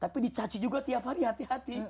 tapi dicaci juga tiap hari hati hati